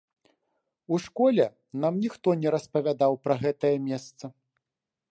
У школе нам ніхто не распавядаў пра гэтае месца.